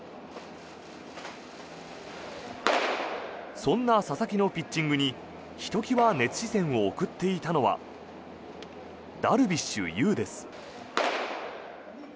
そんな佐々木のピッチングにひときわ熱視線を送っていたのはダルビッシュ有です。